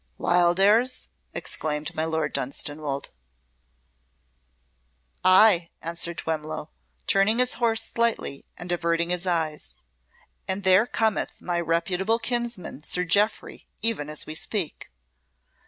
"Wildairs!" exclaimed my Lord Dunstanwolde. "Ay," answered Twemlow, turning his horse slightly and averting his eyes; "and there cometh my reputable kinsman, Sir Jeoffry, even as we speak."